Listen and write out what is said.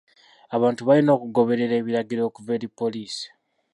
Abantu balina okugoberera ebiragiro okuva eri poliisi.